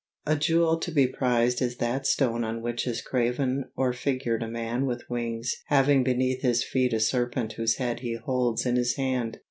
A jewel to be prized is that stone on which is graven or figured a man with wings having beneath his feet a serpent whose head he holds in his hand.